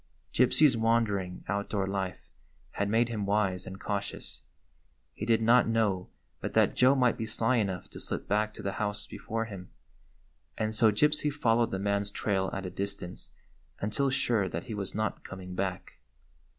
Gypsy's wandering, outdoor life had made him wise and cautious. He did not know but that Joe might be sly enough to slip back to the house before him, and so Gypsy followed the man's trail at a distance until sure that he was not coming back.